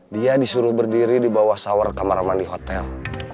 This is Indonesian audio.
dia disuruh berdiri di bawah sawer kamar mandi hotel